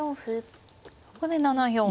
ここで７四歩。